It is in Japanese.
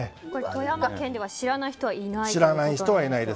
富山県では知らない人はいないと。